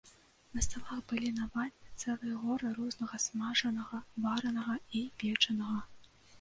На сталах былі навалены цэлыя горы рознага смажанага, варанага і печанага.